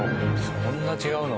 そんな違うの？